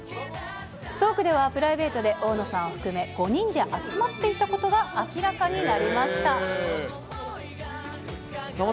トークではプライベートで、大野さんを含め５人で集まっていたことが明らかになりました。